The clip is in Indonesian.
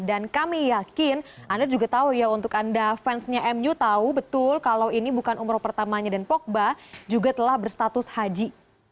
dan kami yakin anda juga tahu ya untuk anda fansnya mu tahu betul kalau ini bukan umroh pertamanya dan pogba juga telah berstatus haji